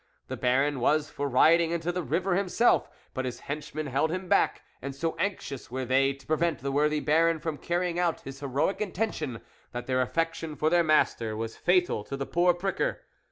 The Baron was for riding into the river himself, but his henchmen held him back, and so anxious were they to prevent the worthy Baron from carrying out his heroic intention, that their affection for their master was fatal to the poor pricker.